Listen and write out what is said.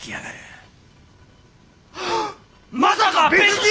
まさか別人！？